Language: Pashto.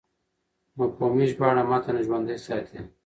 مفهومي ژباړه متن ژوندی ساتي.